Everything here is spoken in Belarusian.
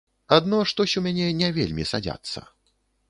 Адно штось у мяне не вельмі садзяцца.